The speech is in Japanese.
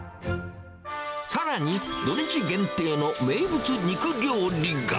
さらに、土日限定の名物肉料理が。